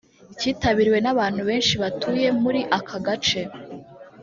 cyitabiriwe n’abantu benshi batuye muri aka gace